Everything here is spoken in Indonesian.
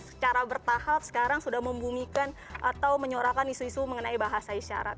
secara bertahap sekarang sudah membumikan atau menyorakan isu isu mengenai bahasa isyarat